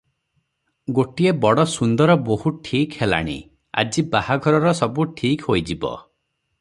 ଗୋଟିଏ ବଡ଼ ସୁନ୍ଦର ବୋହୂ ଠିକ୍ ହେଲାଣି, ଆଜି ବାହାଘରର ସବୁ ଠିକ ହୋଇଯିବ ।"